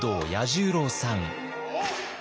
彌十郎さん。